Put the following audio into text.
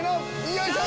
よいしょ。